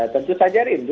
tentu saja rindu